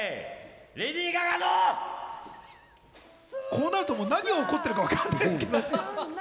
こうなると、もう何が起こってるかわからないですけど。